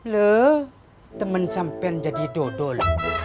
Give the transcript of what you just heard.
lho temen sampai jadi dodol